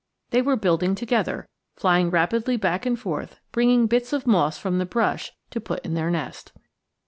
They were building together, flying rapidly back and forth bringing bits of moss from the brush to put in their nest.